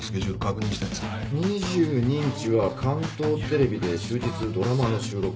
２２日は関東テレビで終日ドラマの収録。